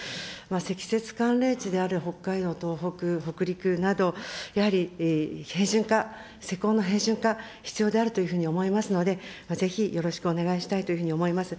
積雪寒冷地である北海道、東北、北陸など、やはり平準化、施工の平準化、必要であるというふうに思いますので、ぜひよろしくお願いしたいというふうに思います。